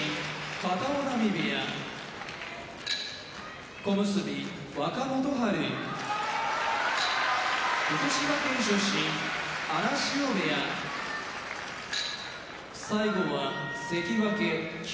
片男波部屋小結・若元春福島県出身荒汐部屋関脇・霧